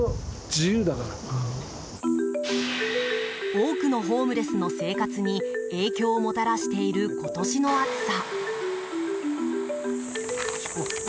多くのホームレスの生活に影響をもたらしている今年の暑さ。